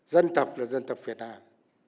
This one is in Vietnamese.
dân tộc là dân tộc việt nam